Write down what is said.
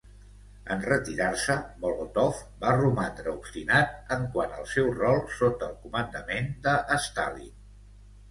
En retirar-se, Molotov va romandre obstinat en quant al seu rol sota el comandament de Stalin.